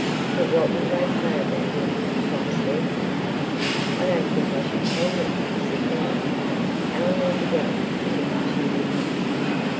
But what will they say about it at Plumstead?' 'I don't think I should tell them,' said Mary. Eleanor began to think that she would not.